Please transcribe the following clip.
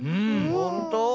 ほんと？